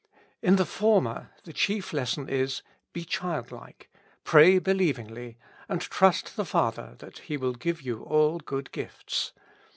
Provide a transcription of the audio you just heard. In the former the chief lesson is : Be childlike, pray believingly, and trust the Father that He will give you all good gifts.